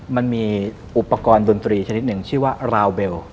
มันมีอุปกรณ์ดนตรีชนิดหนึ่งชื่อว่าราวเบล